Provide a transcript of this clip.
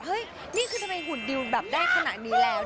นี่คือทำไมหุ่นดิวแบบได้ขนาดนี้แล้ว